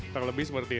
terlebih seperti itu